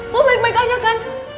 mau baik baik aja kan